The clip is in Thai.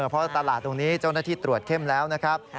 เพราะตลาดตรงนี้เจ้าหน้าที่ตรวจเข้มแล้วนะครับ